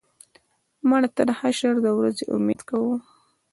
مړه ته د حشر د ورځې امید کوو